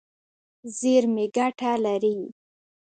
زیرمې ګټه لري.